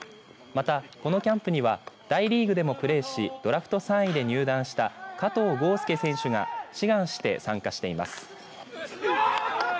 またこのキャンプには大リーグでもプレーしドラフト３位で入団した加藤豪将選手が志願して参加しています。